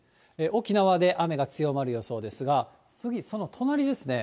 沖縄で雨が強まる予想ですが、次その隣ですね。